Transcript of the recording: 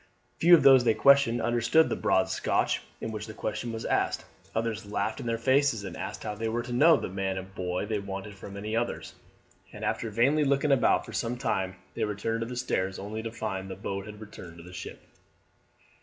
Few of those they questioned understood the broad Scotch in which the question was asked, others laughed in their faces and asked how they were to know the man and boy they wanted from any others; and after vainly looking about for some time they returned to the stairs, only to find that the boat had returned to the ship.